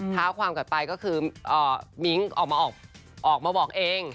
เท้าความกลับไปก็คือมิ้งออกมาบอกเอง